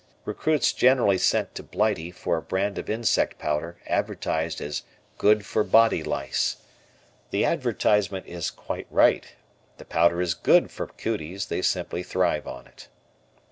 Recruits generally sent to Blighty for a brand of insect powder advertised as "Good for body lice." The advertisement is quite right; the powder is good for "cooties," they simply thrive on it.